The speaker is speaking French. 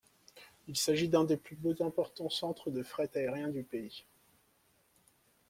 Il s'agit d'un des plus importants centres de fret aérien du pays.